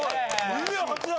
２秒８だ！